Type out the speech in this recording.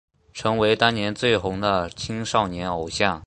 成为当年最红的青少年偶像。